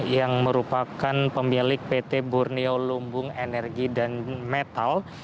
yang merupakan pemilik pt borneo lumbung energi dan metal